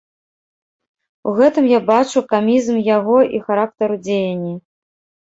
У гэтым я бачу камізм яго і характару дзеянні.